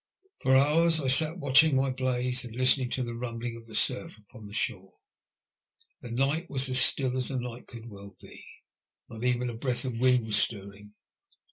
For hours I sat watching my blaze and listening to the rumbling of the surf upon the shore. The night was as still as a night could well be. Not even a breath of wind was stirring.